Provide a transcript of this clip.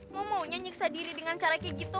mau mau nyanyiksa diri dengan cara kayak gitu